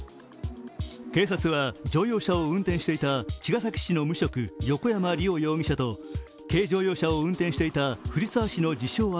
警察は乗用車を運転していた茅ヶ崎市の無職、横山陸央容疑者と軽乗用車を運転していた藤沢市の自称